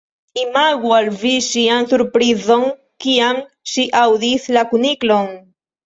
Imagu al vi ŝian surprizon kiam ŝi aŭdis la kuniklon.